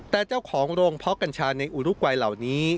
แต่เจ้าของโรงเพาะกัญชาในอุรุกวัยเหล่านี้